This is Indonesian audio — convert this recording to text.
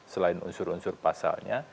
selain unsur unsur pasalnya